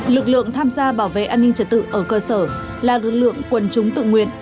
lực lượng tham gia bảo vệ an ninh trật tự ở cơ sở là lực lượng quân chúng tự nguyện